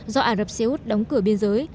do ả rập xê út đóng cửa biên giới